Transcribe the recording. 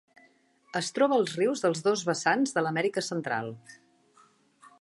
Es troba als rius dels dos vessants de l'Amèrica Central.